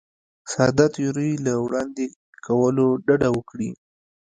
ساده تیورۍ له وړاندې کولو ډډه وکړي.